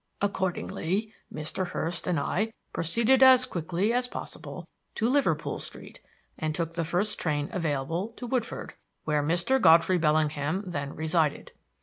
"Accordingly Mr. Hurst and I proceeded as quickly as possible to Liverpool Street and took the first train available to Woodford, where Mr. Godfrey Bellingham then resided.